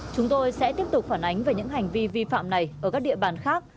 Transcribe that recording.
chúng tôi sẽ tiếp tục phản ánh về những hành vi vi phạm này ở các địa bàn khác